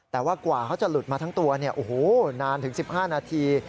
แต่กว่าเขาจะหลุดมาทั้งตัวนานถึง๑๕นาที